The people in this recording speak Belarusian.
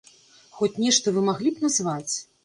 Хоць нешта вы маглі б назваць?